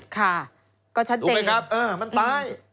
ค่ะก็ชัดเต็มเออมันตาย